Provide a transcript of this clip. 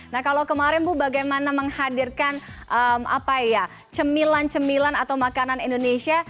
nah kalau kemarin bu bagaimana menghadirkan cemilan cemilan atau makanan indonesia